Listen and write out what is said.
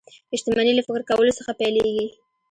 شتمني له فکر کولو څخه پيلېږي